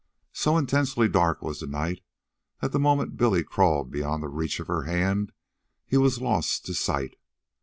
So intensely dark was the night, that the moment Billy crawled beyond the reach of her hand he was lost to sight.